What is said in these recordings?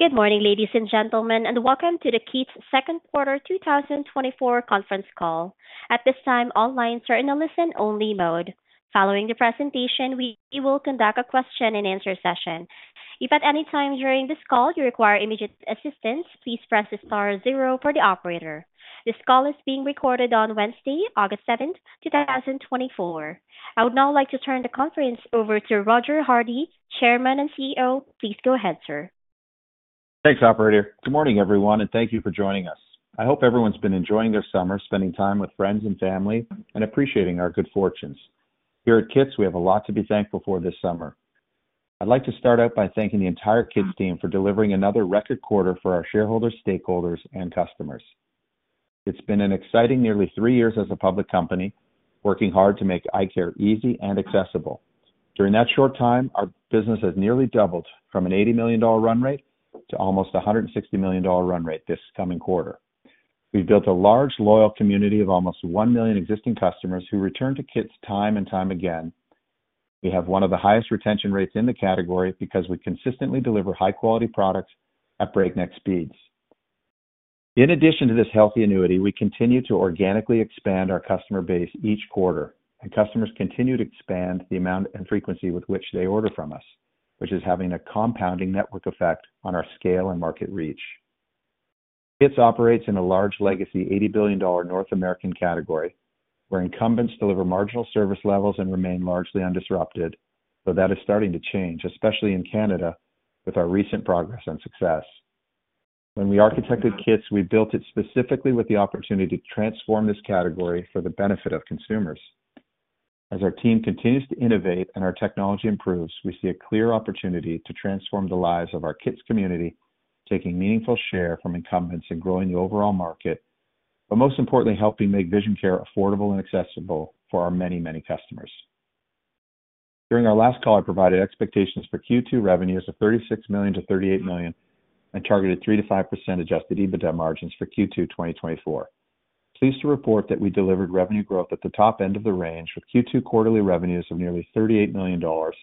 Good morning, ladies and gentlemen, and welcome to the KITS second quarter 2024 conference call. At this time, all lines are in a listen-only mode. Following the presentation, we will conduct a question-and-answer session. If at any time during this call you require immediate assistance, please press the star zero for the operator. This call is being recorded on Wednesday, August 7th, 2024. I would now like to turn the conference over to Roger Hardy, Chairman and CEO. Please go ahead, sir. Thanks, operator. Good morning, everyone, and thank you for joining us. I hope everyone's been enjoying their summer, spending time with friends and family, and appreciating our good fortunes. Here at KITS, we have a lot to be thankful for this summer. I'd like to start out by thanking the entire KITS team for delivering another record quarter for our shareholders, stakeholders, and customers. It's been an exciting nearly three years as a public company, working hard to make eye care easy and accessible. During that short time, our business has nearly doubled from a 80 million dollar run rate to almost a 160 million dollar run rate this coming quarter. We've built a large, loyal community of almost 1 million existing customers who return to KITS time and time again. We have one of the highest retention rates in the category because we consistently deliver high-quality products at breakneck speeds. In addition to this healthy annuity, we continue to organically expand our customer base each quarter, and customers continue to expand the amount and frequency with which they order from us, which is having a compounding network effect on our scale and market reach. KITS operates in a large legacy, $80 billion North American category, where incumbents deliver marginal service levels and remain largely undisrupted. But that is starting to change, especially in Canada, with our recent progress and success. When we architected KITS, we built it specifically with the opportunity to transform this category for the benefit of consumers. As our team continues to innovate and our technology improves, we see a clear opportunity to transform the lives of our KITS community, taking meaningful share from incumbents and growing the overall market, but most importantly, helping make vision care affordable and accessible for our many, many customers. During our last call, I provided expectations for Q2 revenues of 36 million-38 million and targeted 3%-5% adjusted EBITDA margins for Q2 2024. Pleased to report that we delivered revenue growth at the top end of the range with Q2 quarterly revenues of nearly 38 million dollars,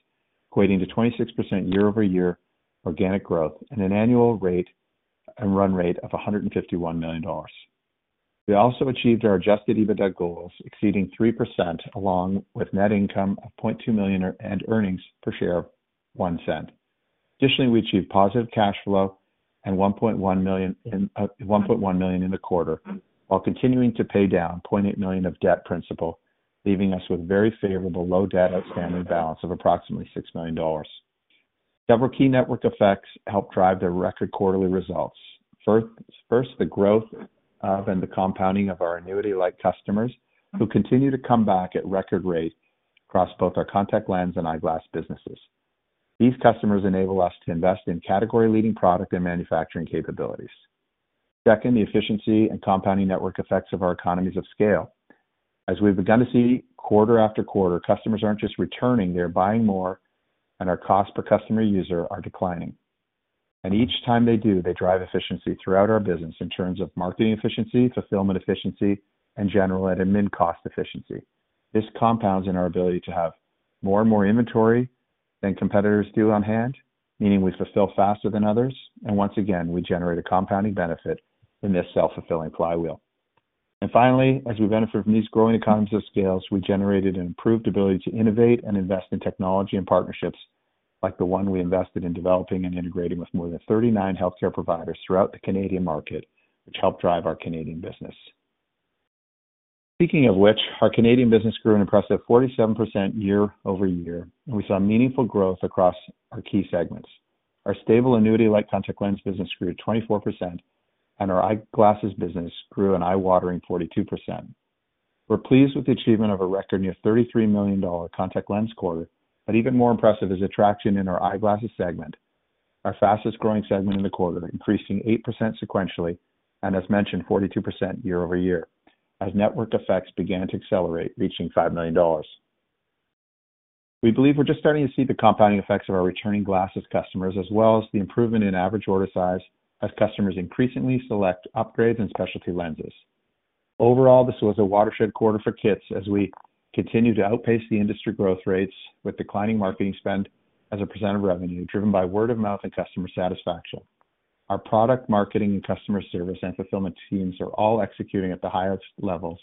equating to 26% year-over-year organic growth and an annual rate and run rate of 151 million dollars. We also achieved our adjusted EBITDA goals, exceeding 3%, along with net income of 0.2 million and earnings per share of 0.01. Additionally, we achieved positive cash flow and 1.1 million in, 1.1 million in the quarter, while continuing to pay down 0.8 million of debt principal, leaving us with very favorable low debt outstanding balance of approximately 6 million dollars. Several key network effects helped drive the record quarterly results. First, the growth of and the compounding of our annuity-like customers, who continue to come back at record rate across both our contact lens and eyeglass businesses. These customers enable us to invest in category-leading product and manufacturing capabilities. Second, the efficiency and compounding network effects of our economies of scale. As we've begun to see quarter-after-quarter, customers aren't just returning, they're buying more, and our cost per customer user are declining. Each time they do, they drive efficiency throughout our business in terms of marketing efficiency, fulfillment efficiency, and general and admin cost efficiency. This compounds in our ability to have more and more inventory than competitors do on hand, meaning we fulfill faster than others, and once again, we generate a compounding benefit in this self-fulfilling flywheel. And finally, as we benefit from these growing economies of scale, we generated an improved ability to innovate and invest in technology and partnerships, like the one we invested in developing and integrating with more than 39 healthcare providers throughout the Canadian market, which helped drive our Canadian business. Speaking of which, our Canadian business grew an impressive 47% year-over-year, and we saw meaningful growth across our key segments. Our stable annuity-like contact lens business grew 24%, and our eyeglasses business grew an eye-watering 42%. We're pleased with the achievement of a record near 33 million dollar contact lens quarter, but even more impressive is traction in our eyeglasses segment, our fastest growing segment in the quarter, increasing 8% sequentially, and as mentioned, 42% year-over-year, as network effects began to accelerate, reaching 5 million dollars. We believe we're just starting to see the compounding effects of our returning glasses customers, as well as the improvement in average order size as customers increasingly select upgrades and specialty lenses. Overall, this was a watershed quarter for KITS as we continue to outpace the industry growth rates with declining marketing spend as a percent of revenue, driven by word of mouth and customer satisfaction. Our product marketing, and customer service, and fulfillment teams are all executing at the highest levels,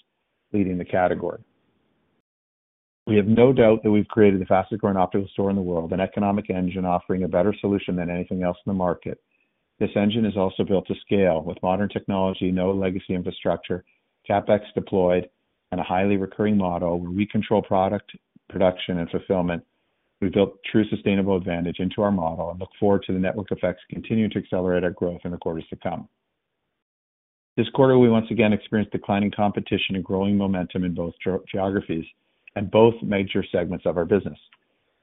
leading the category. We have no doubt that we've created the fastest growing optical store in the world, an economic engine offering a better solution than anything else in the market. This engine is also built to scale with modern technology, no legacy infrastructure, CapEx deployed, and a highly recurring model where we control product, production, and fulfillment. We built true sustainable advantage into our model and look forward to the network effects continuing to accelerate our growth in the quarters to come. This quarter, we once again experienced declining competition and growing momentum in both geographies and both major segments of our business.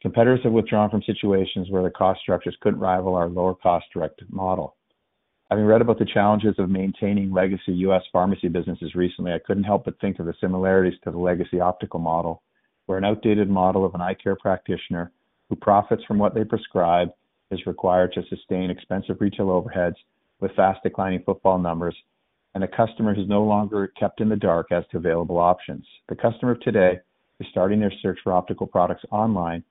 Competitors have withdrawn from situations where their cost structures couldn't rival our lower cost direct model. Having read about the challenges of maintaining legacy U.S. pharmacy businesses recently, I couldn't help but think of the similarities to the legacy optical model, where an outdated model of an eye care practitioner who profits from what they prescribe is required to sustain expensive retail overheads with fast declining footfall numbers. The customer is no longer kept in the dark as to available options. The customer of today is starting their search for optical products online,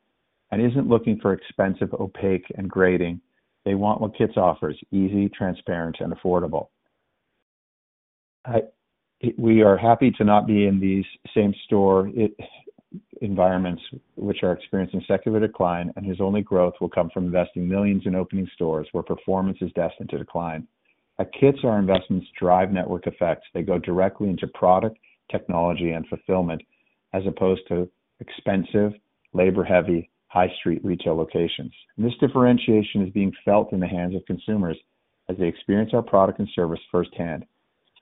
and isn't looking for expensive, opaque, and grating. They want what KITS offers: easy, transparent, and affordable. We are happy to not be in these same storefront environments which are experiencing secular decline, and whose only growth will come from investing millions in opening stores where performance is destined to decline. At KITS, our investments drive network effects. They go directly into product, technology, and fulfillment, as opposed to expensive, labor-heavy, high street retail locations. This differentiation is being felt in the hands of consumers as they experience our product and service firsthand.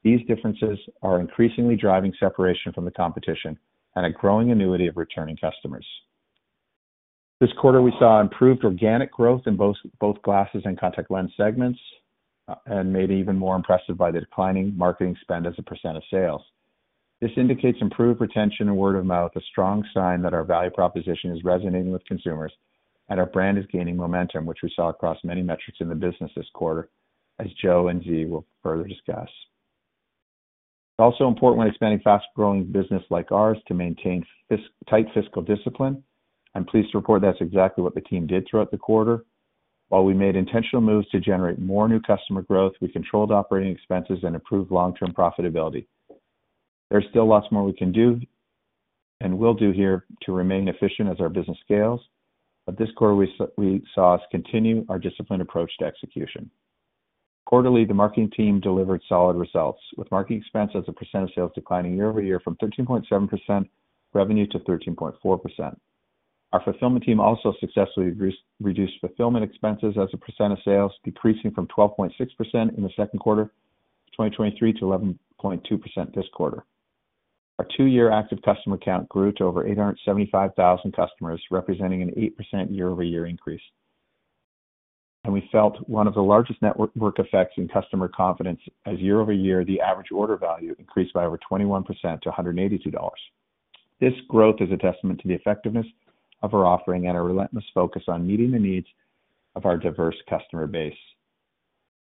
These differences are increasingly driving separation from the competition and a growing annuity of returning customers. This quarter, we saw improved organic growth in both glasses and contact lens segments, and made even more impressive by the declining marketing spend as a percent of sales. This indicates improved retention and word of mouth, a strong sign that our value proposition is resonating with consumers, and our brand is gaining momentum, which we saw across many metrics in the business this quarter, as Joe and Zhe will further discuss. It's also important when expanding a fast-growing business like ours to maintain tight fiscal discipline. I'm pleased to report that's exactly what the team did throughout the quarter. While we made intentional moves to generate more new customer growth, we controlled operating expenses and improved long-term profitability. There's still lots more we can do and will do here to remain efficient as our business scales, but this quarter we saw us continue our disciplined approach to execution. Quarterly, the marketing team delivered solid results, with marketing expense as a percent of sales declining year-over-year from 13.7% revenue to 13.4%. Our fulfillment team also successfully reduced fulfillment expenses as a percent of sales, decreasing from 12.6% in the second quarter, 2023 to 11.2% this quarter. Our two-year active customer count grew to over 875,000 customers, representing an 8% year-over-year increase. We felt one of the largest network effects in customer confidence, as year-over-year, the average order value increased by over 21% to 182 dollars. This growth is a testament to the effectiveness of our offering and our relentless focus on meeting the needs of our diverse customer base.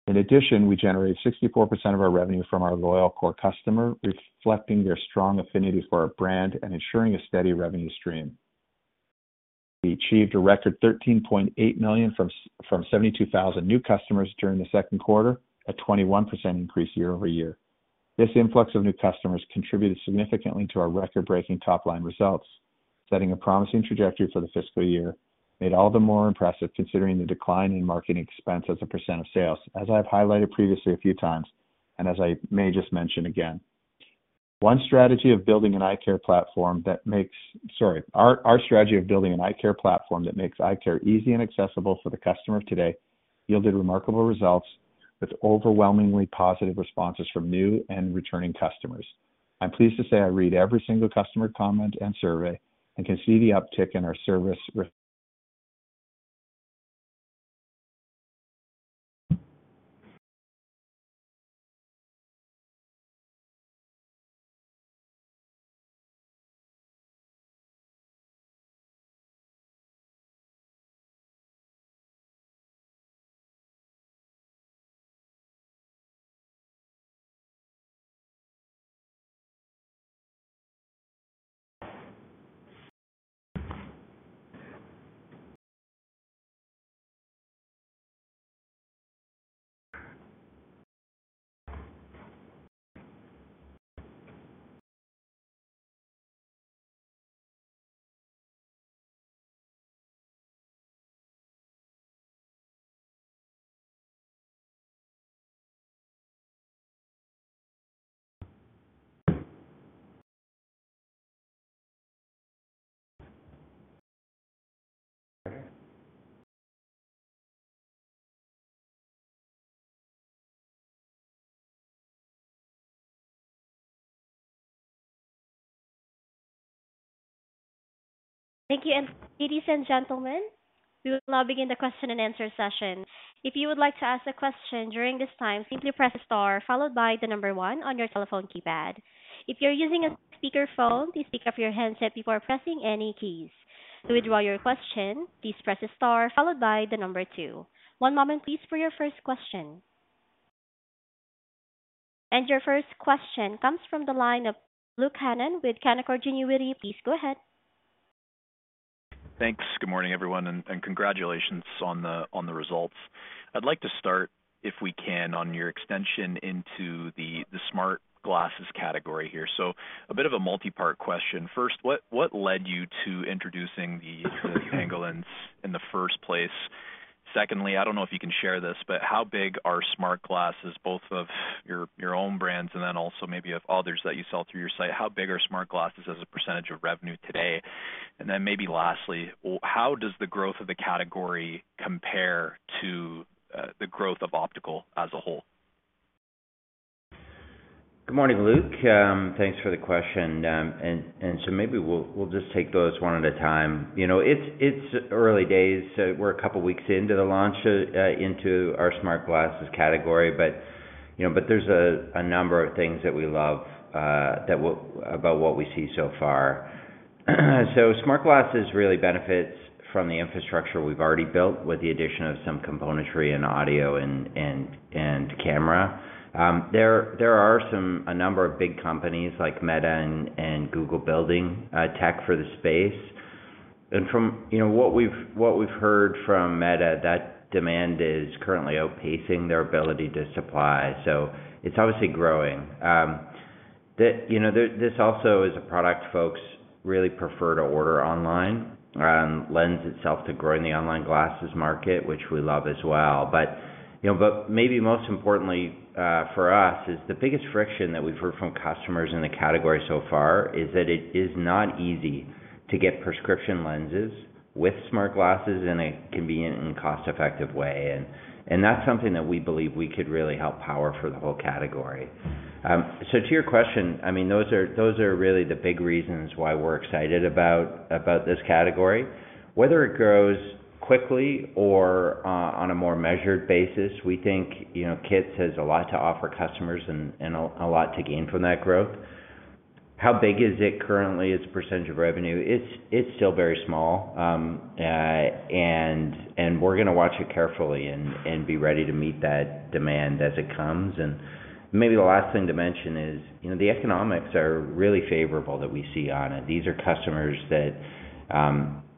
In addition, we generated 64% of our revenue from our loyal core customer, reflecting their strong affinity for our brand and ensuring a steady revenue stream. We achieved a record 13.8 million from 72,000 new customers during the second quarter, a 21% increase year-over-year. This influx of new customers contributed significantly to our record-breaking top-line results, setting a promising trajectory for the fiscal year, made all the more impressive considering the decline in marketing expense as a percent of sales, as I've highlighted previously a few times, and as I may just mention again. Our strategy of building an eye care platform that makes eye care easy and accessible for the customer today yielded remarkable results with overwhelmingly positive responses from new and returning customers. I'm pleased to say I read every single customer comment and survey and can see the uptick in our service re- Thank you. Ladies and gentlemen, we will now begin the question and answer session. If you would like to ask a question during this time, simply press star followed by the number one on your telephone keypad. If you're using a speakerphone, please pick up your handset before pressing any keys. To withdraw your question, please press star followed by the number two. One moment, please, for your first question. Your first question comes from the line of Luke Hannan with Canaccord Genuity. Please go ahead. Thanks. Good morning, everyone, and congratulations on the results. I'd like to start, if we can, on your extension into the smart glasses category here. So a bit of a multipart question. First, what led you to introducing the Pangolins in the first place? Secondly, I don't know if you can share this, but how big are smart glasses, both of your own brands and then also maybe of others that you sell through your site? How big are smart glasses as a percentage of revenue today? And then maybe lastly, how does the growth of the category compare to the growth of optical as a whole? Good morning, Luke. Thanks for the question. So maybe we'll just take those one at a time. You know, it's early days, so we're a couple of weeks into the launch into our smart glasses category. But you know, but there's a number of things that we love about what we see so far. Smart glasses really benefits from the infrastructure we've already built, with the addition of some componentry and audio and camera. There are a number of big companies like Meta and Google building tech for the space. And from, you know, what we've heard from Meta, that demand is currently outpacing their ability to supply, so it's obviously growing. You know, this also is a product folks really prefer to order online, lends itself to growing the online glasses market, which we love as well. But, you know, but maybe most importantly, for us, is the biggest friction that we've heard from customers in the category so far, is that it is not easy to get prescription lenses with smart glasses in a convenient and cost-effective way. And that's something that we believe we could really help power for the whole category. So to your question, I mean, those are, those are really the big reasons why we're excited about this category. Whether it grows quickly or on a more measured basis, we think, you know, KITS has a lot to offer customers and a lot to gain from that growth. How big is it currently as a percentage of revenue? It's still very small. And we're gonna watch it carefully and be ready to meet that demand as it comes. And maybe the last thing to mention is, you know, the economics are really favorable that we see on it. These are customers that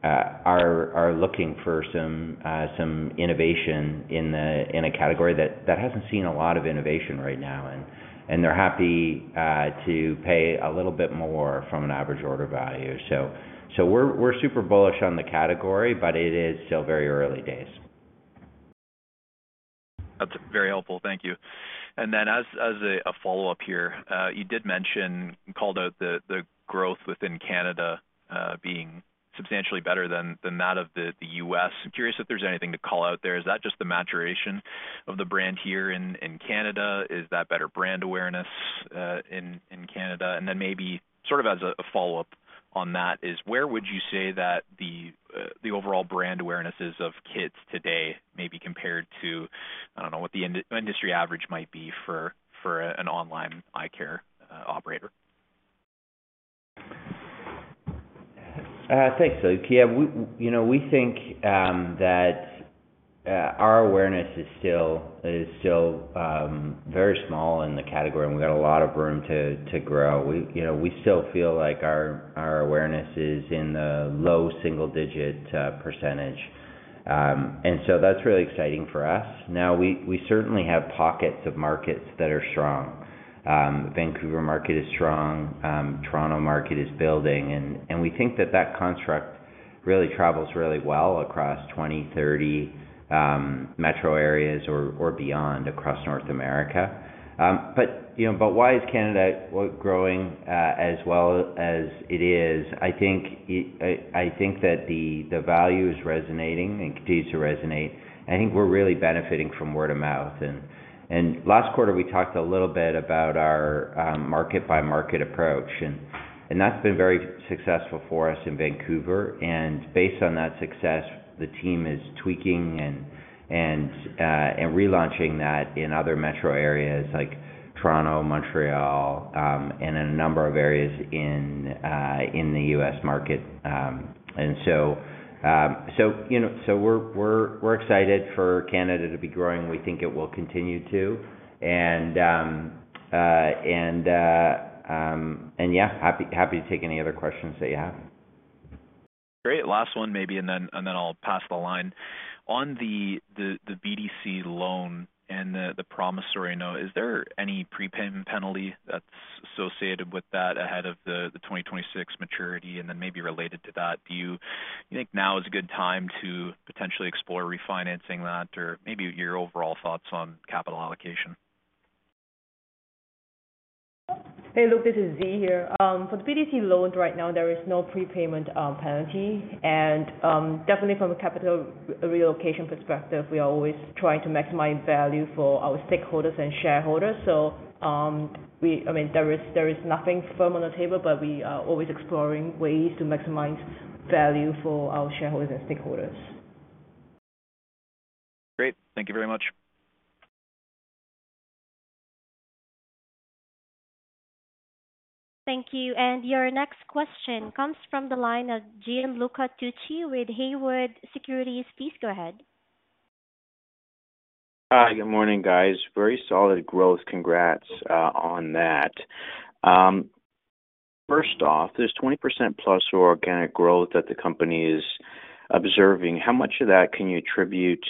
are looking for some innovation in a category that hasn't seen a lot of innovation right now, and they're happy to pay a little bit more from an average order value. So we're super bullish on the category, but it is still very early days. That's very helpful. Thank you. And then as a follow-up here, you did mention, called out the growth within Canada being substantially better than that of the U.S. I'm curious if there's anything to call out there. Is that just the maturation of the brand here in Canada? Is that better brand awareness in Canada? And then maybe sort of as a follow-up on that is, where would you say that the overall brand awareness of KITS today may be compared to, I don't know, what the industry average might be for an online eye care operator? Thanks, Luke. Yeah, we, you know, we think that our awareness is still very small in the category, and we've got a lot of room to grow. We, you know, we still feel like our awareness is in the low single digit percentage. And so that's really exciting for us. Now, we certainly have pockets of markets that are strong. Vancouver market is strong, Toronto market is building, and we think that construct really travels well across 20 metro areas, 30 metro areas or beyond across North America. But you know, why is Canada growing as well as it is? I think that the value is resonating and continues to resonate. I think we're really benefiting from word of mouth. Last quarter, we talked a little bit about our market-by-market approach, and that's been very successful for us in Vancouver. And based on that success, the team is tweaking and relaunching that in other metro areas like Toronto, Montreal, and a number of areas in the U.S. market. And so, you know, we're excited for Canada to be growing. We think it will continue to. And yeah, happy to take any other questions that you have. Great. Last one, maybe, and then I'll pass the line. On the BDC loan and the promissory note, is there any prepayment penalty that's associated with that ahead of the 2026 maturity? And then maybe related to that, do you think now is a good time to potentially explore refinancing that or maybe your overall thoughts on capital allocation? Hey, Luke, this is Zhe here. For the BDC loan, right now, there is no prepayment penalty. And definitely from a capital reallocation perspective, we are always trying to maximize value for our stakeholders and shareholders. So, I mean, there is nothing firm on the table, but we are always exploring ways to maximize value for our shareholders and stakeholders. Great. Thank you very much. Thank you, and your next question comes from the line of Gianluca Tucci with Haywood Securities. Please go ahead. Good morning, guys. Very solid growth. Congrats on that. First off, this 20%+ organic growth that the company is observing, how much of that can you attribute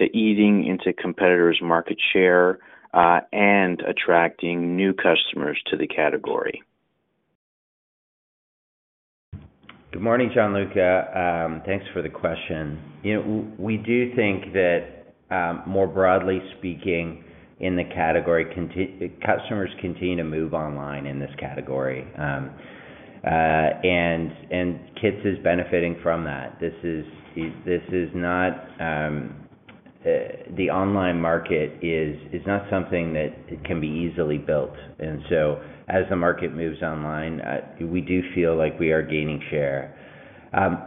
to eating into competitors' market share, and attracting new customers to the category? Good morning, Gianluca. Thanks for the question. You know, we do think that, more broadly speaking, in the category customers continue to move online in this category. And, and KITS is benefiting from that. This is, this is not. The online market is, is not something that can be easily built, and so as the market moves online, we do feel like we are gaining share.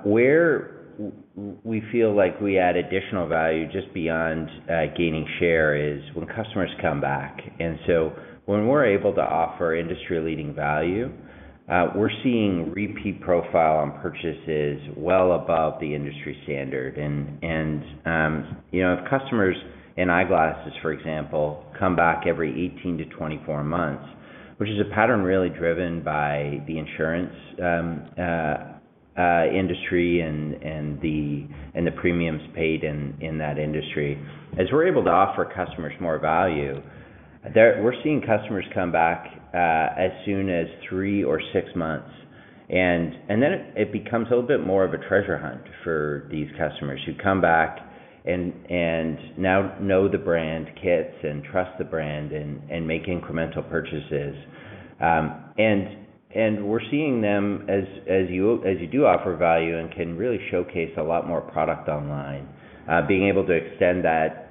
Where we feel like we add additional value just beyond, gaining share is when customers come back. And so when we're able to offer industry-leading value, we're seeing repeat profile on purchases well above the industry standard. You know, if customers in eyeglasses, for example, come back every 18 months-24 months, which is a pattern really driven by the insurance industry and the premiums paid in that industry. As we're able to offer customers more value, we're seeing customers come back as soon as three months or six months. And then it becomes a little bit more of a treasure hunt for these customers who come back and now know the brand KITS and trust the brand and make incremental purchases. And we're seeing them as you do offer value and can really showcase a lot more product online, being able to extend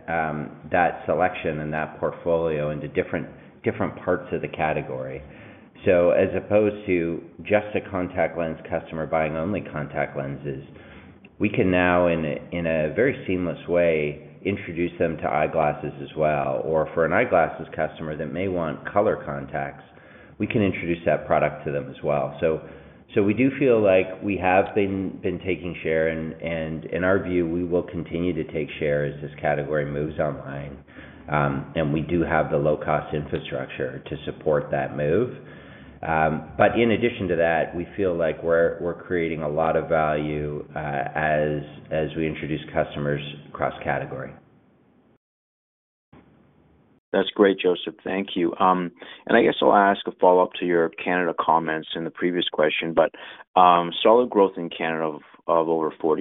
that selection and that portfolio into different parts of the category. So as opposed to just a contact lens customer buying only contact lenses, we can now, in a very seamless way, introduce them to eyeglasses as well. Or for an eyeglasses customer that may want color contacts, we can introduce that product to them as well. So we do feel like we have been taking share, and in our view, we will continue to take share as this category moves online. And we do have the low-cost infrastructure to support that move. But in addition to that, we feel like we're creating a lot of value, as we introduce customers cross-category. That's great, Joseph. Thank you. And I guess I'll ask a follow-up to your Canada comments in the previous question, but solid growth in Canada of over 40%.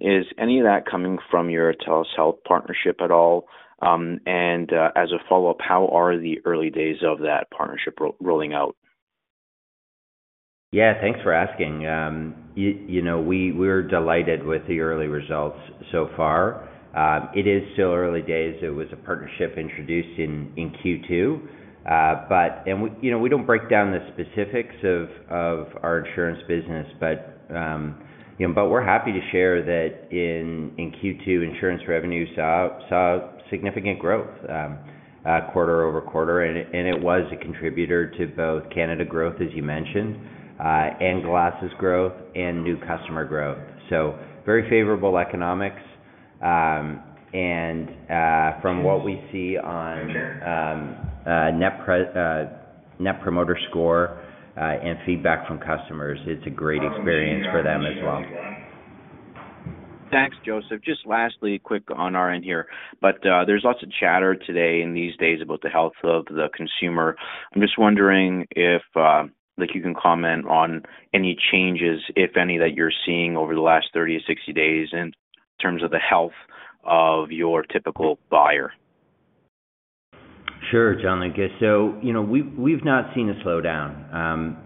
Is any of that coming from your TELUS Health partnership at all? And, as a follow-up, how are the early days of that partnership rolling out? Yeah, thanks for asking. You know, we, we're delighted with the early results so far. It is still early days. It was a partnership introduced in Q2. But you know, we don't break down the specifics of our insurance business. But you know, but we're happy to share that in Q2, insurance revenue saw significant growth quarter-over-quarter, and it was a contributor to both Canada growth, as you mentioned, and glasses growth and new customer growth. So very favorable economics. And from what we see on Net Promoter Score and feedback from customers, it's a great experience for them as well. Thanks, Joseph. Just lastly, quick on our end here. But there's lots of chatter today in these days about the health of the consumer. I'm just wondering if, like, you can comment on any changes, if any, that you're seeing over the last 30 days-60 days in terms of the health of your typical buyer. Sure, Gianluca. I guess so. You know, we've not seen a slowdown.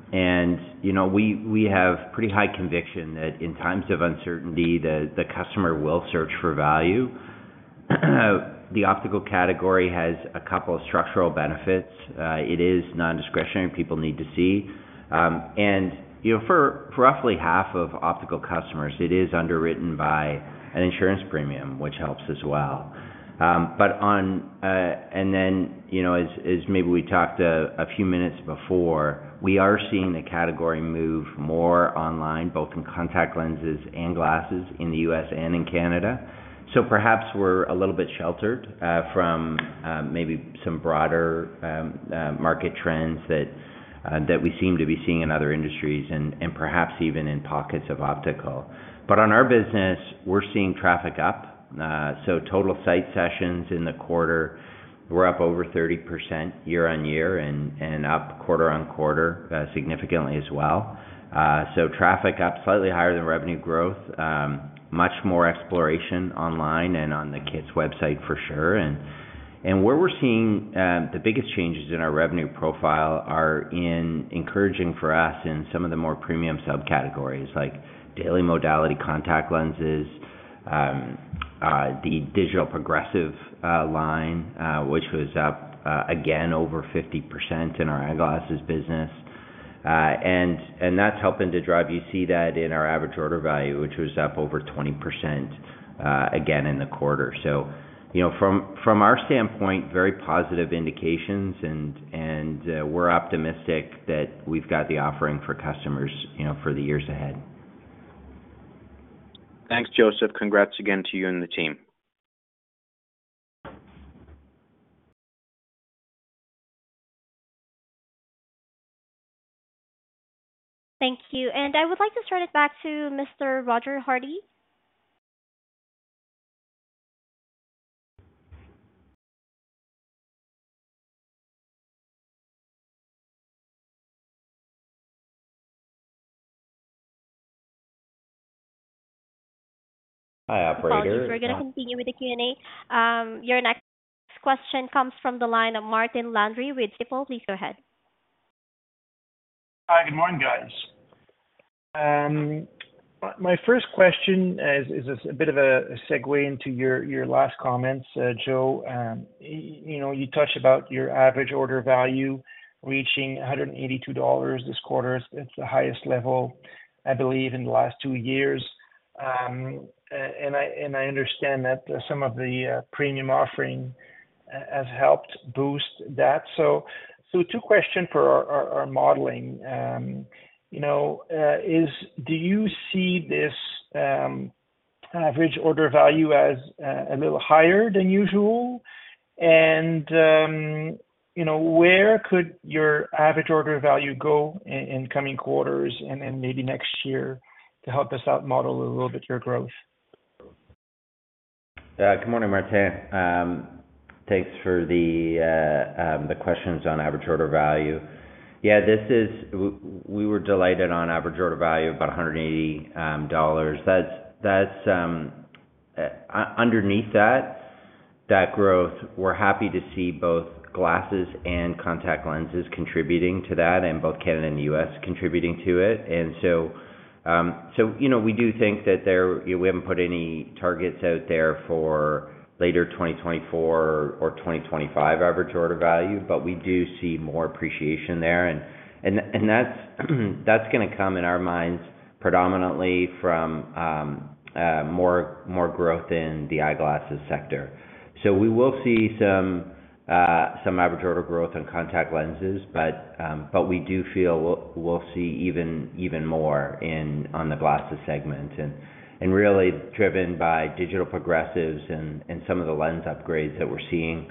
You know, we have pretty high conviction that in times of uncertainty, the customer will search for value. The optical category has a couple of structural benefits. It is nondiscretionary. People need to see. You know, for roughly half of optical customers, it is underwritten by an insurance premium, which helps as well. But on... And then, you know, as maybe we talked a few minutes before, we are seeing the category move more online, both in contact lenses and glasses in the U.S. and in Canada. So perhaps we're a little bit sheltered from maybe some broader market trends that we seem to be seeing in other industries and perhaps even in pockets of optical. But on our business, we're seeing traffic up. So total site sessions in the quarter were up over 30% year-on-year and up quarter-on-quarter, significantly as well. So traffic up slightly higher than revenue growth, much more exploration online and on the KITS website for sure. And where we're seeing the biggest changes in our revenue profile are encouraging for us in some of the more premium subcategories, like daily modality contact lenses, the digital progressives line, which was up again over 50% in our eyeglasses business. And that's helping to drive. You see that in our average order value, which was up over 20%, again, in the quarter. you know, from our standpoint, very positive indications, and we're optimistic that we've got the offering for customers, you know, for the years ahead. Thanks, Joseph. Congrats again to you and the team. Thank you, and I would like to turn it back to Mr. Roger Hardy. Apologies. We're gonna continue with the Q&A. Your next question comes from the line of Martin Landry with Stifel. Please go ahead. Hi, good morning, guys. My first question is a bit of a segue into your last comments, Joe. You know, you touched about your average order value reaching 182 dollars this quarter. It's the highest level, I believe, in the last two years. And I understand that some of the premium offering has helped boost that. So, two question for our modeling, you know, is do you see this average order value as a little higher than usual? And, you know, where could your average order value go in coming quarters, and then maybe next year, to help us model a little bit your growth? Good morning, Martin. Thanks for the questions on average order value. Yeah, we were delighted on average order value of about 180 dollars. That's underneath that growth, we're happy to see both glasses and contact lenses contributing to that, and both Canada and the U.S. contributing to it. And so, you know, we do think that there, we haven't put any targets out there for later 2024 or 2025 average order value, but we do see more appreciation there. And that's gonna come, in our minds, predominantly from more growth in the eyeglasses sector. So we will see some average order growth on contact lenses, but we do feel we'll see even more in on the glasses segment, and really driven by digital progressives and some of the lens upgrades that we're seeing.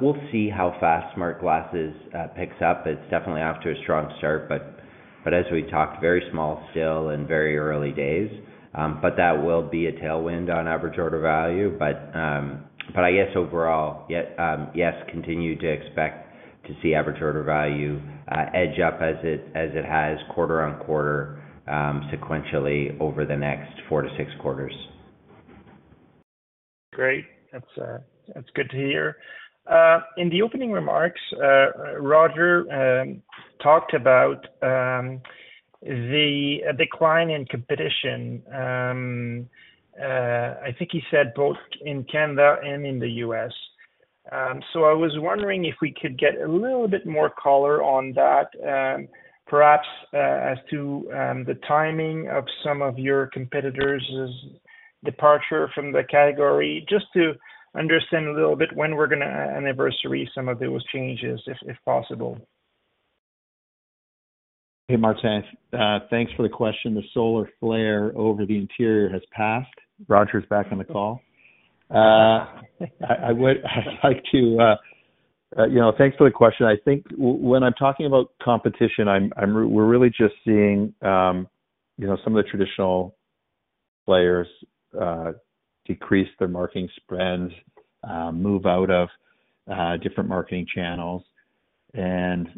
We'll see how fast smart glasses picks up. It's definitely off to a strong start, but as we talked, very small still and very early days, but that will be a tailwind on average order value. But I guess overall, yet, yes, continue to expect to see average order value edge up as it has quarter-over-quarter, sequentially over the next 4 quarters-6 quarters. Great. That's, that's good to hear. In the opening remarks, Roger talked about the decline in competition. I think he said both in Canada and in the U.S. So I was wondering if we could get a little bit more color on that, perhaps as to the timing of some of your competitors' departure from the category, just to understand a little bit when we're gonna anniversary some of those changes, if possible. Hey, Martin. Thanks for the question. The solar flare over the interior has passed. Roger's back on the call. Thanks for the question. I think when I'm talking about competition, we're really just seeing, you know, some of the traditional players, decrease their marketing spends, move out of different marketing channels, and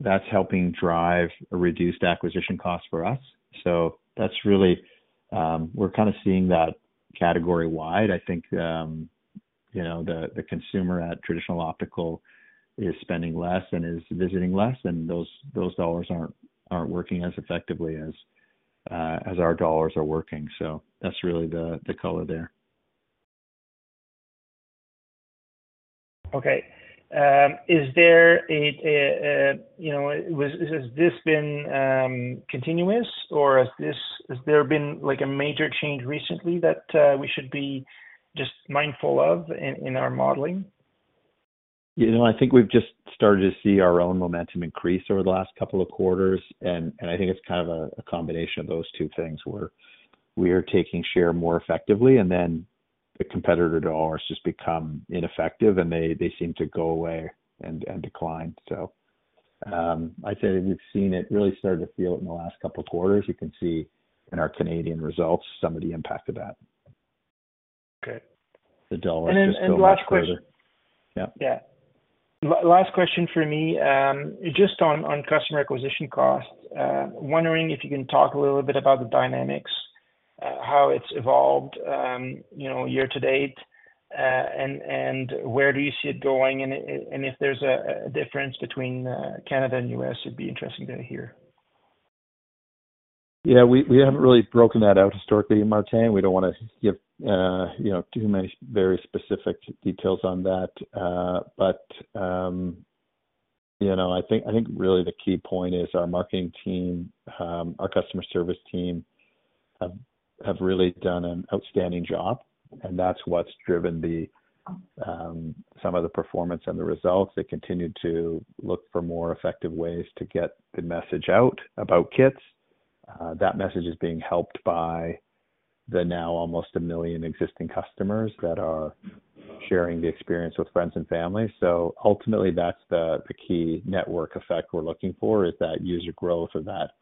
that's helping drive a reduced acquisition cost for us. So that's really, we're kind of seeing that category-wide. I think, you know, the consumer at traditional optical is spending less and is visiting less, and those dollars aren't working as effectively as our dollars are working. So that's really the color there. Okay. Is there a, you know, has this been continuous, or has there been, like, a major change recently that we should be just mindful of in our modeling? You know, I think we've just started to see our own momentum increase over the last couple of quarters. And I think it's kind of a combination of those two things, where we are taking share more effectively, and then the competitor dollars just become ineffective, and they seem to go away and decline. So, I'd say we've seen it, really started to feel it in the last couple of quarters. You can see in our Canadian results, some of the impact of that. Okay. The dollar- And last question- Yeah. Yeah. Last question for me, just on customer acquisition costs, wondering if you can talk a little bit about the dynamics. How it's evolved, you know, year-to-date, and where do you see it going? And if there's a difference between Canada and U.S., it'd be interesting to hear. Yeah, we haven't really broken that out historically, Martin. We don't wanna give, you know, too many very specific details on that. But, you know, I think really the key point is our marketing team, our customer service team, have really done an outstanding job, and that's what's driven the, some of the performance and the results. They continue to look for more effective ways to get the message out about KITS. That message is being helped by the now almost 1 million existing customers that are sharing the experience with friends and family. So ultimately, that's the key network effect we're looking for, is that user growth or that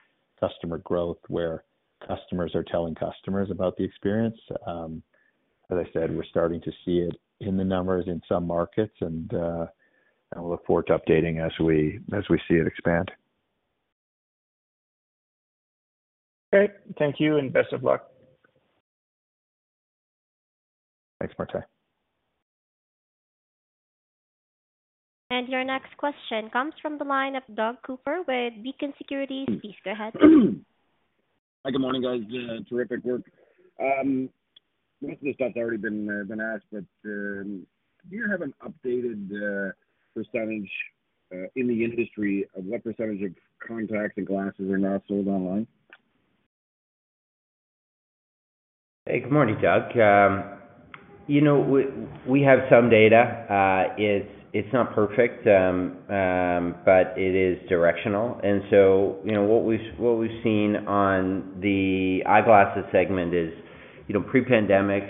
customer growth, where customers are telling customers about the experience. As I said, we're starting to see it in the numbers in some markets, and we'll look forward to updating as we see it expand. Great. Thank you, and best of luck. Thanks, Martin. Your next question comes from the line of Doug Cooper with Beacon Securities. Please go ahead. Hi, good morning, guys. Terrific work. Most of this stuff's already been asked, but do you have an updated percentage in the industry of what percentage of contacts and glasses are now sold online? Hey, good morning, Doug. You know, we have some data. It's not perfect, but it is directional. And so, you know, what we've seen on the eyeglasses segment is, you know, pre-pandemic,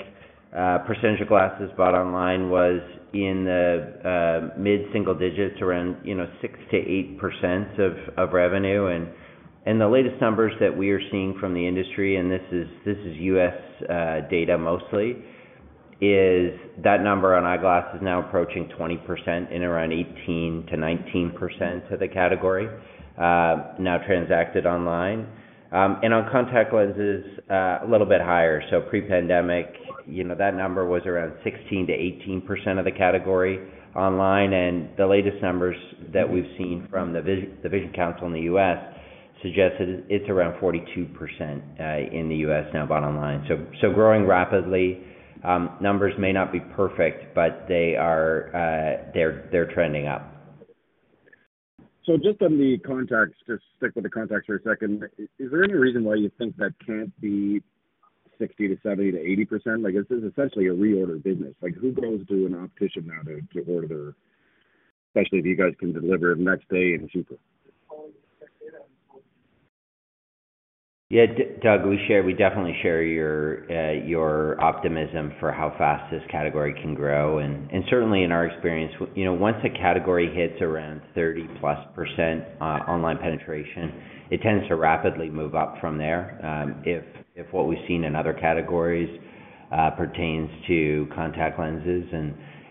percentage of glasses bought online was in the mid-single digits around, you know, 6%-8% of revenue. And the latest numbers that we are seeing from the industry, and this is U.S. data mostly, is that number on eyeglasses is now approaching 20%, and around 18%-19% of the category now transacted online. And on contact lenses, a little bit higher. So pre-pandemic, you know, that number was around 16%-18% of the category online, and the latest numbers that we've seen from The Vision Council in the U.S. suggests that it's around 42% in the U.S. now bought online. So growing rapidly, numbers may not be perfect, but they are, they're trending up. So just on the contacts, just stick with the contacts for a second. Is there any reason why you think that can't be 60%-80%? Like, this is essentially a reorder business. Like, who goes to an optician now to, to order their... Especially if you guys can deliver next day and super? Yeah, Doug, we share, we definitely share your optimism for how fast this category can grow. And certainly in our experience, you know, once a category hits around 30%+ online penetration, it tends to rapidly move up from there, if what we've seen in other categories pertains to contact lenses.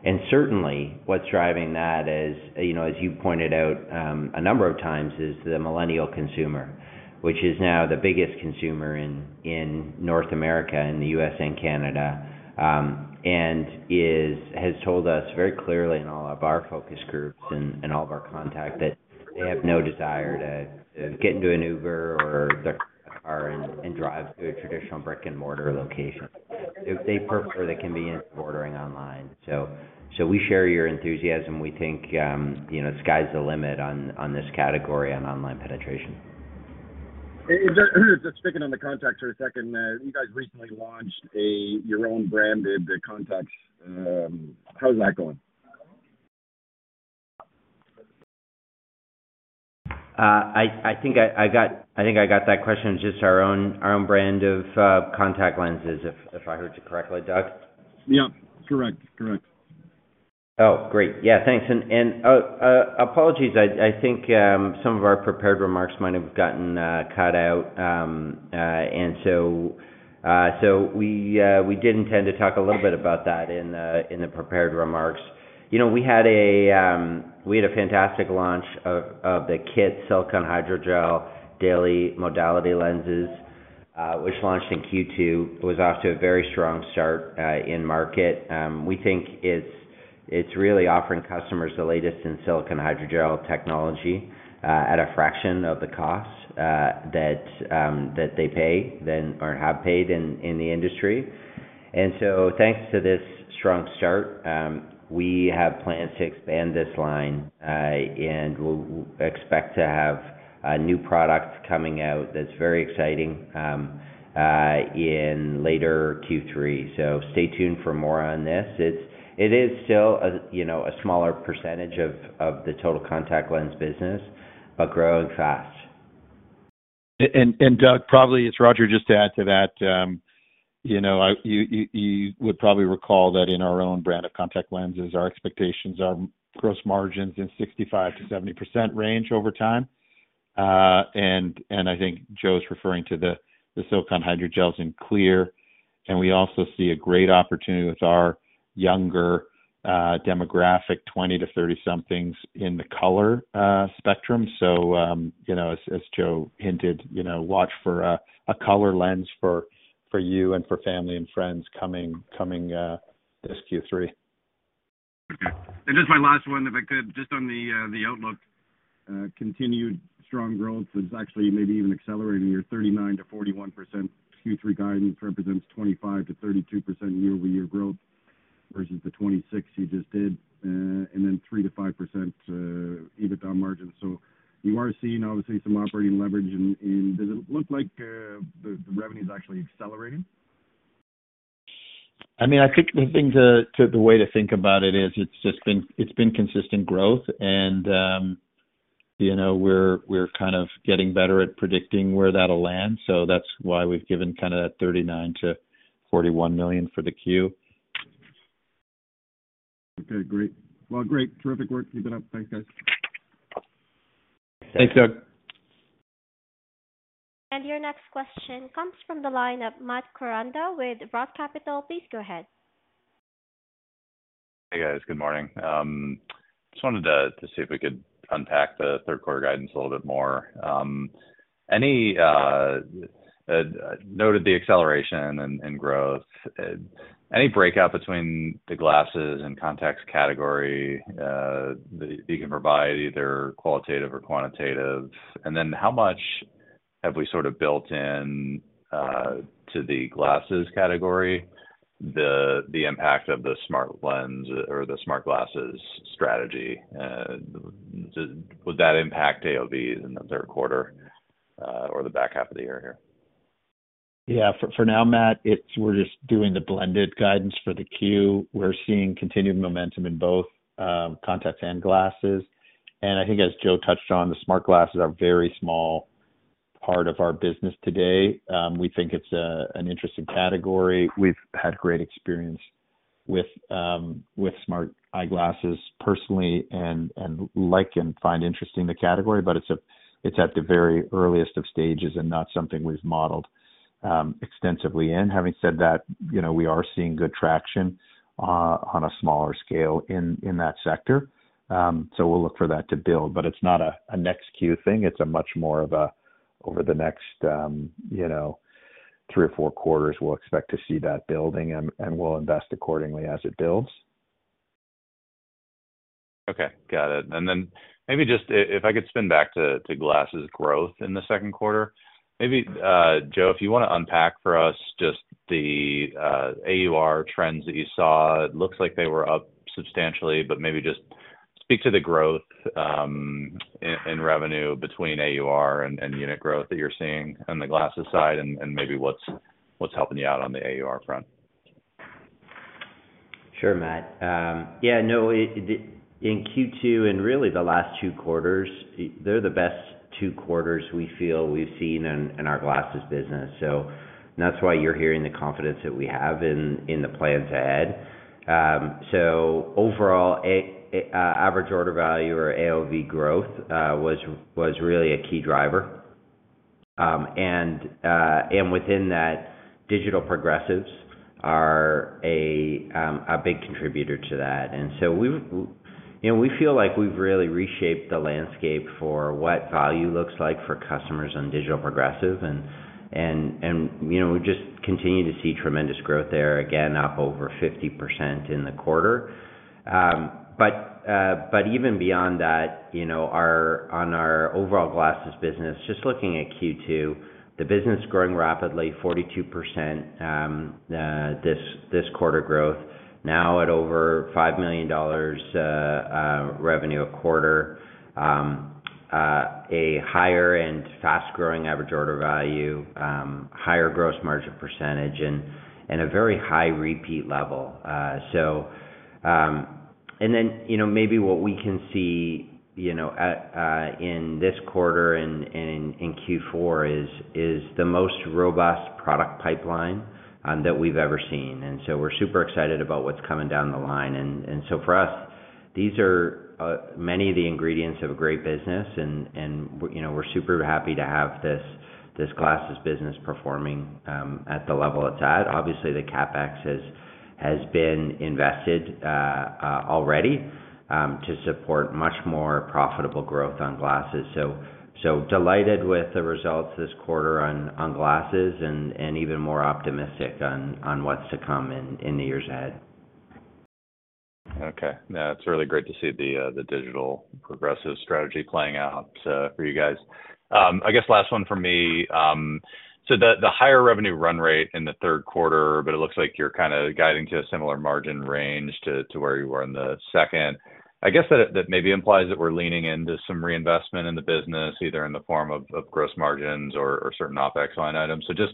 And certainly, what's driving that is, you know, as you pointed out a number of times, the millennial consumer, which is now the biggest consumer in North America, in the U.S. and Canada. And has told us very clearly in all of our focus groups and all of our contact that they have no desire to get into an Uber or their car and drive to a traditional brick-and-mortar location. They prefer the convenience of ordering online. So, we share your enthusiasm. We think, you know, sky's the limit on this category, on online penetration. Is there, just sticking on the contacts for a second, you guys recently launched your own brand of contacts. How is that going? I think I got that question. Just our own brand of contact lenses, if I heard you correctly, Doug? Yeah. Correct, correct. Oh, great. Yeah, thanks. Apologies, I think some of our prepared remarks might have gotten cut out. We did intend to talk a little bit about that in the prepared remarks. You know, we had a fantastic launch of the KITS Silicone Hydrogel daily modality lenses, which launched in Q2, was off to a very strong start in market. We think it's really offering customers the latest in silicone hydrogel technology at a fraction of the cost that they pay than or have paid in the industry. And so, thanks to this strong start, we have plans to expand this line, and we'll expect to have new products coming out that's very exciting in later Q3. So stay tuned for more on this. It's, it is still a, you know, a smaller percentage of, of the total contact lens business, but growing fast. Doug. Probably, it's Roger, just to add to that, you know, you would probably recall that in our own brand of contact lenses, our expectations are gross margins in 65%-70% range over time. And I think Joe's referring to the silicone hydrogels in clear. And we also see a great opportunity with our younger demographic, 20- to 30-somethings, in the color spectrum. So, you know, as Joe hinted, you know, watch for a color lens for you and for family and friends coming this Q3. Okay. And just my last one, if I could, just on the, the outlook, continued strong growth is actually maybe even accelerating, your 39%-41% Q3 guidance represents 25%-32% year-over-year growth, versus the 2026 you just did, and then 3%-5% EBITDA margin. So you are seeing, obviously, some operating leverage in. Does it look like, the, the revenue is actually accelerating? I mean, I think the thing to the way to think about it is, it's just been, it's been consistent growth, and, you know, we're, we're kind of getting better at predicting where that'll land. So that's why we've given kind of that 39 million-41 million for the Q. Okay, great. Well, great. Terrific work. Keep it up. Thanks, guys. Thanks, Doug. And your next question comes from the line of Matt Koranda with ROTH Capital. Please go ahead. Hey, guys. Good morning. Just wanted to see if we could unpack the third quarter guidance a little bit more. Noted the acceleration and growth, any breakout between the glasses and contacts category that you can provide, either qualitative or quantitative? And then how much have we sort of built in to the glasses category, the impact of the smart lens or the smart glasses strategy? And would that impact AOV in the third quarter or the back half of the year here? Yeah, for now, Matt, we're just doing the blended guidance for the Q. We're seeing continued momentum in both, contacts and glasses, and I think as Joe touched on, the smart glasses are a very small part of our business today. We think it's an interesting category. We've had great experience with smart eyeglasses personally and like and find interesting the category, but it's at the very earliest of stages and not something we've modeled extensively in. Having said that, you know, we are seeing good traction on a smaller scale in that sector. So we'll look for that to build. But it's not a next Q thing, it's much more of a over the next, you know, three or four quarters, we'll expect to see that building and we'll invest accordingly as it builds. Okay, got it. And then maybe just if I could spin back to glasses growth in the second quarter. Maybe, Joe, if you wanna unpack for us just the AUR trends that you saw. It looks like they were up substantially, but maybe just speak to the growth in revenue between AUR and unit growth that you're seeing on the glasses side, and maybe what's helping you out on the AUR front. Sure, Matt. In Q2, and really the last two quarters, they're the best two quarters we feel we've seen in our glasses business, so that's why you're hearing the confidence that we have in the plan to add. So overall, average order value or AOV growth was really a key driver. And within that, digital progressives are a big contributor to that. And so you know, we feel like we've really reshaped the landscape for what value looks like for customers on digital progressives, and you know, we just continue to see tremendous growth there, again, up over 50% in the quarter. But even beyond that, you know, on our overall glasses business just looking at Q2, the business is growing rapidly 42% this quarter growth, now at over 5 million dollars revenue a quarter. A higher and fast-growing average order value, higher gross margin percentage, and a very high repeat level. So. And then, you know, maybe what we can see, you know, in this quarter and in Q4, is the most robust product pipeline that we've ever seen. And so we're super excited about what's coming down the line. And so for us, these are many of the ingredients of a great business, and, you know, we're super happy to have this glasses business performing at the level it's at. Obviously, the CapEx has been invested already to support much more profitable growth on glasses. So delighted with the results this quarter on glasses and even more optimistic on what's to come in the years ahead. Okay. Yeah, it's really great to see the digital progressive strategy playing out for you guys. I guess last one from me. So the higher revenue run rate in the third quarter, but it looks like you're kind of guiding to a similar margin range to where you were in the second. I guess that maybe implies that we're leaning into some reinvestment in the business, either in the form of gross margins or certain OpEx line items. So just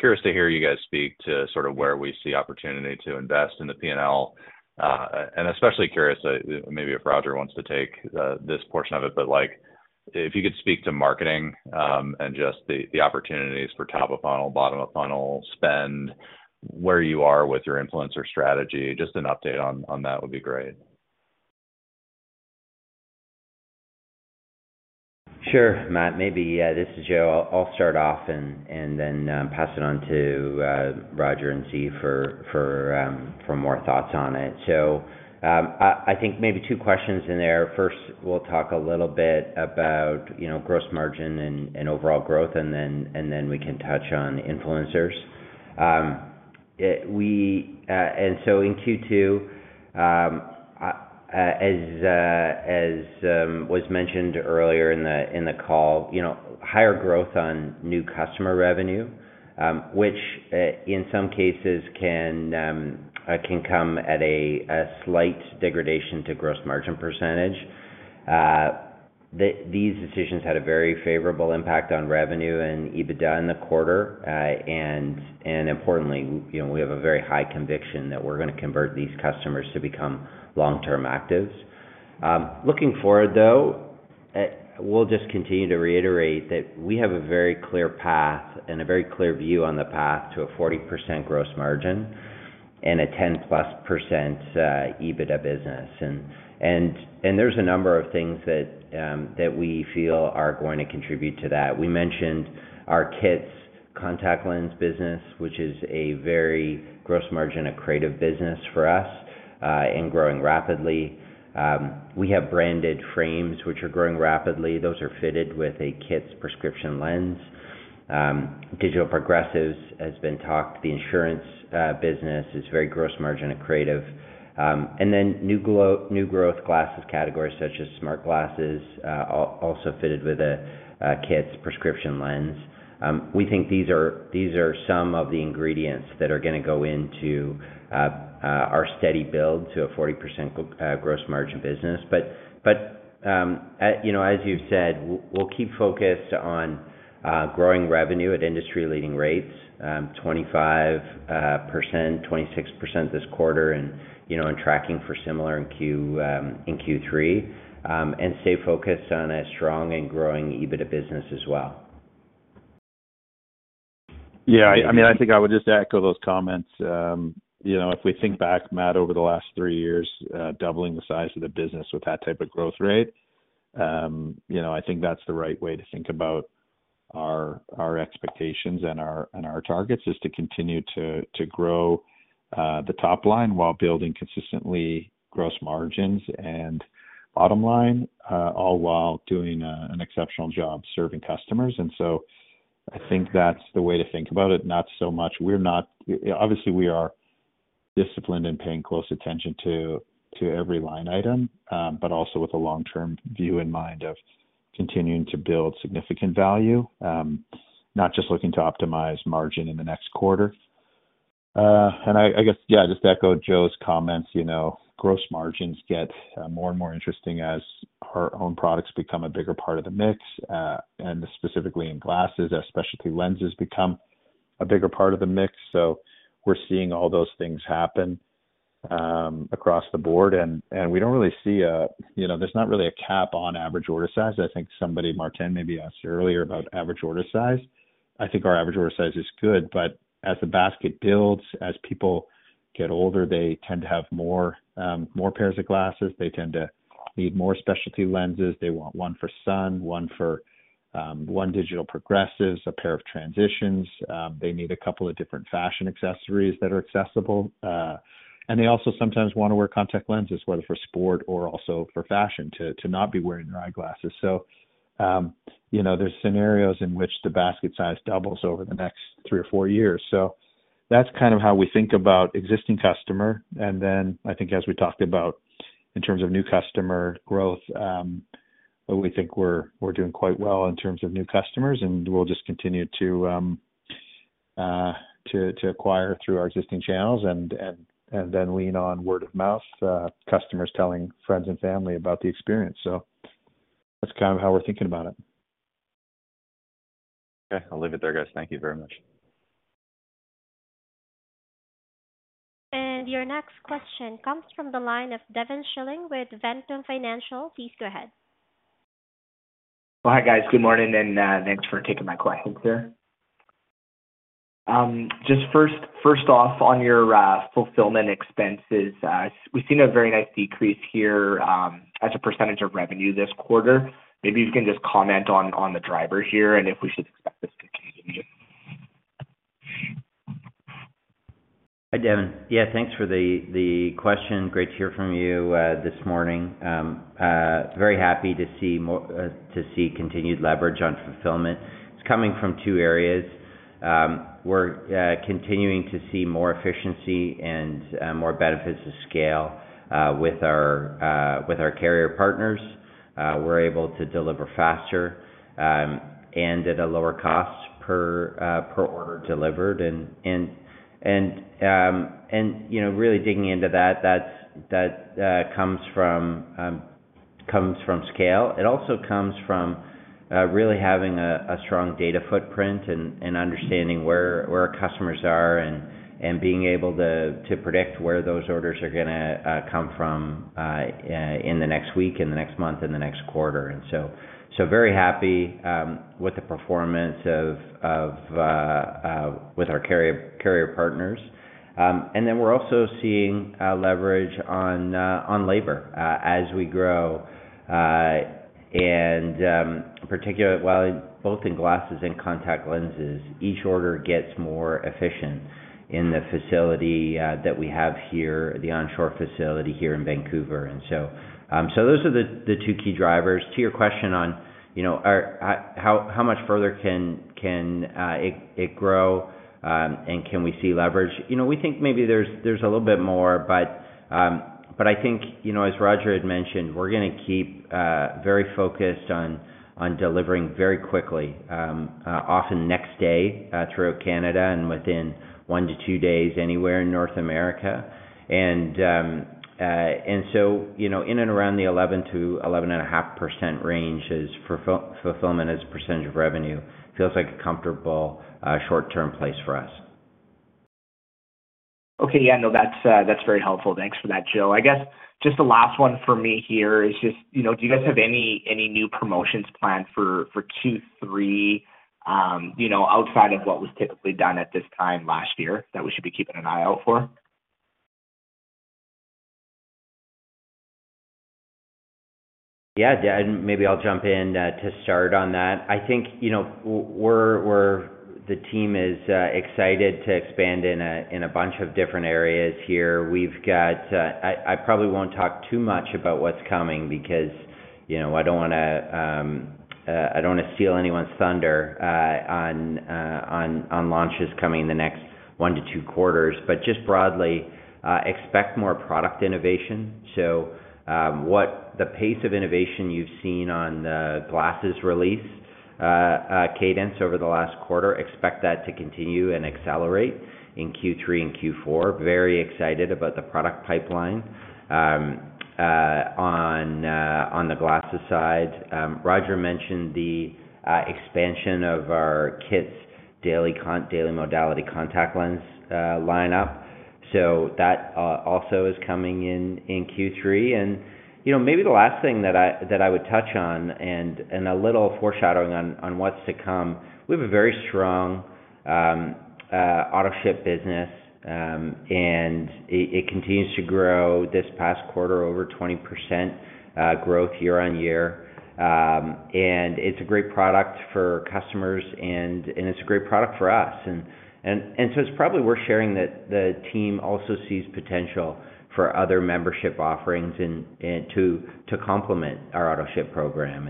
curious to hear you guys speak to sort of where we see opportunity to invest in the P&L. Especially curious, maybe if Roger wants to take this portion of it, but like, if you could speak to marketing and just the opportunities for top-of-funnel, bottom-of-funnel spend, where you are with your influencer strategy, just an update on that would be great. Sure, Matt. Maybe this is Joe. I'll start off and then pass it on to Roger and Zhe for more thoughts on it. So, I think maybe two questions in there. First, we'll talk a little bit about, you know, gross margin and overall growth, and then we can touch on influencers. So in Q2, as was mentioned earlier in the call, you know, higher growth on new customer revenue, which in some cases can come at a slight degradation to gross margin percentage. These decisions had a very favorable impact on revenue and EBITDA in the quarter. And, and importantly, you know, we have a very high conviction that we're gonna convert these customers to become long-term actives. Looking forward though, we'll just continue to reiterate that we have a very clear path and a very clear view on the path to a 40% gross margin and a 10%+ EBITDA business. There's a number of things that we feel are going to contribute to that. We mentioned our KITS contact lens business, which is a very gross margin accretive business for us, and growing rapidly. We have branded frames, which are growing rapidly. Those are fitted with a KITS prescription lens. Digital progressives has been talked. The insurance business is very gross margin accretive. And then new growth glasses categories such as Smart Glasses, also fitted with a kids prescription lens. We think these are, these are some of the ingredients that are gonna go into our steady build to a 40% gross margin business. But, you know, as you've said, we'll keep focused on growing revenue at industry-leading rates, 25%-26% this quarter, and, you know, and tracking for similar in Q3. And stay focused on a strong and growing EBITDA business as well. Yeah, I mean, I think I would just echo those comments. You know, if we think back, Matt, over the last three years, doubling the size of the business with that type of growth rate. You know, I think that's the right way to think about our expectations and our targets is to continue to grow the top line while building consistently gross margins and bottom line, all while doing an exceptional job serving customers. And so I think that's the way to think about it, not so much... We're not - obviously, we are disciplined and paying close attention to every line item, but also with a long-term view in mind of continuing to build significant value, not just looking to optimize margin in the next quarter. And I guess, yeah, just to echo Joe's comments, you know, gross margins get more and more interesting as our own products become a bigger part of the mix. And specifically in glasses, as specialty lenses become a bigger part of the mix. So we're seeing all those things happen across the board, and we don't really see a, you know, there's not really a cap on average order size. I think somebody, Martin, maybe asked earlier about average order size. I think our average order size is good, but as the basket builds, as people get older, they tend to have more more pairs of glasses. They tend to need more specialty lenses. They want one for sun, one for one digital progressives, a pair of Transitions. They need a couple of different fashion accessories that are accessible, and they also sometimes wanna wear contact lenses, whether for sport or also for fashion, to not be wearing their eyeglasses. So, you know, there's scenarios in which the basket size doubles over the next three or four years. So that's kind of how we think about existing customer, and then I think as we talked about in terms of new customer growth, we think we're doing quite well in terms of new customers, and we'll just continue to acquire through our existing channels and then lean on word-of-mouth, customers telling friends and family about the experience. So that's kind of how we're thinking about it. Okay, I'll leave it there, guys. Thank you very much. Your next question comes from the line of Devin Schilling with Ventum Financial. Please go ahead. Well, hi guys. Good morning, and, thanks for taking my questions here. Just first off, on your, fulfillment expenses, we've seen a very nice decrease here, as a percentage of revenue this quarter. Maybe you can just comment on, on the driver here and if we should expect this to continue. Hi, Devin. Yeah, thanks for the question. Great to hear from you this morning. Very happy to see continued leverage on fulfillment. It's coming from two areas. We're continuing to see more efficiency and more benefits of scale with our carrier partners. We're able to deliver faster and at a lower cost per order delivered. And you know, really digging into that, that's what comes from scale. It also comes from really having a strong data footprint and understanding where our customers are and being able to predict where those orders are gonna come from in the next week, in the next month, in the next quarter. So very happy with the performance of our carrier partners. Then we're also seeing leverage on labor as we grow and particularly while both in glasses and contact lenses, each order gets more efficient in the facility that we have here, the onshore facility here in Vancouver. So those are the two key drivers. To your question on, you know, how much further can it grow and can we see leverage? You know, we think maybe there's a little bit more, but I think, you know, as Roger had mentioned, we're gonna keep very focused on delivering very quickly, often next day, throughout Canada and within one day-two days anywhere in North America. So, you know, in and around the 11%-11.5% range is fulfillment as a percentage of revenue feels like a comfortable short-term place for us. Okay, yeah, no, that's, that's very helpful. Thanks for that, Joe. I guess just the last one for me here is just, you know, do you guys have any, any new promotions planned for, for Q3, you know, outside of what was typically done at this time last year, that we should be keeping an eye out for? Yeah, yeah, and maybe I'll jump in to start on that. I think, you know, the team is excited to expand in a bunch of different areas here. We've got, I probably won't talk too much about what's coming because, you know, I don't wanna steal anyone's thunder on launches coming in the next one quarter-two quarters. But just broadly, expect more product innovation. So, the pace of innovation you've seen on the glasses release cadence over the last quarter, expect that to continue and accelerate in Q3 and Q4. Very excited about the product pipeline. On the glasses side, Roger mentioned the expansion of our KITS Daily daily modality contact lens lineup, so that also is coming in Q3. You know, maybe the last thing that I would touch on, and a little foreshadowing on what's to come, we have a very strong Autoship business, and it continues to grow this past quarter, over 20% growth year-over-year. And it's a great product for customers, and it's a great product for us. And so it's probably worth sharing that the team also sees potential for other membership offerings and to complement our Autoship program,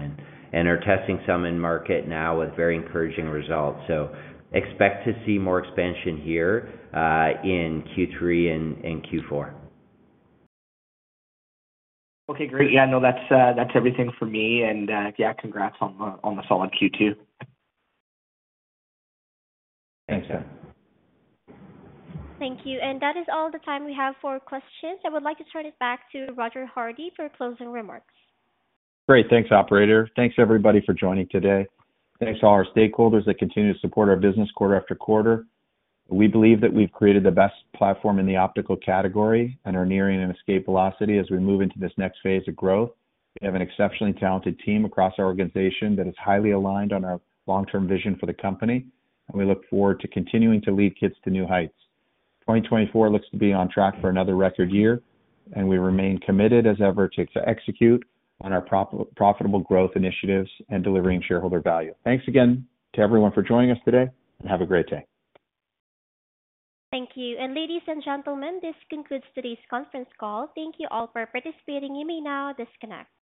and are testing some in market now with very encouraging results. So expect to see more expansion here in Q3 and Q4. Okay, great. Yeah, no, that's everything for me. And, yeah, congrats on the solid Q2. Thanks, Sir. Thank you. That is all the time we have for questions. I would like to turn it back to Roger Hardy for closing remarks. Great. Thanks, Operator. Thanks everybody for joining today. Thanks to all our stakeholders that continue to support our business quarter-after-quarter. We believe that we've created the best platform in the optical category and are nearing an escape velocity as we move into this next phase of growth. We have an exceptionally talented team across our organization that is highly aligned on our long-term vision for the company, and we look forward to continuing to lead KITS to new heights. 2024 looks to be on track for another record year, and we remain committed as ever to execute on our profitable growth initiatives and delivering shareholder value. Thanks again to everyone for joining us today, and have a great day. Thank you. And ladies and gentlemen, this concludes today's conference call. Thank you all for participating. You may now disconnect.